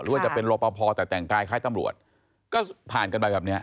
ว่าจะเป็นรอปภแต่แต่งกายคล้ายตำรวจก็ผ่านกันไปแบบเนี้ย